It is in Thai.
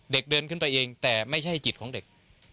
เด็กเดินขึ้นไปเองแต่ไม่ใช่จิตของเด็ก